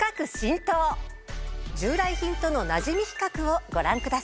従来品とのなじみ比較をご覧ください。